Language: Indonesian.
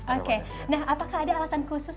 oke nah apakah ada alasan khusus